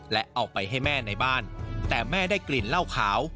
และเอาไปให้แม่ในบ้านแต่แม่ได้กลิ่นเหล้าขาว